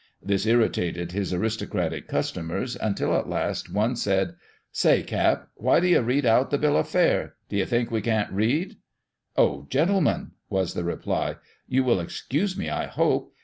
This irritated his aristocratic customers until at last one said, " Say, Cap., why do you read out the bill of fare ? Do you think we can't read ?"" Oh, gentlemen," was the reply, " you will excuse me, I hope.